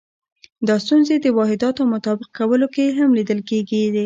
دا ستونزې د واحداتو مطابق کولو کې هم لیدل کېدې.